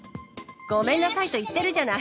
ごめんなさいと言ってるじゃない。